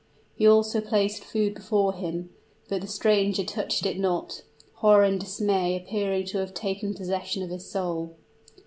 He also placed food before him; but the stranger touched it not horror and dismay appearing to have taken possession of his soul.